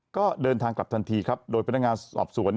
ก็เดินทางกลับทันทีครับโดยพนักงานสอบสวน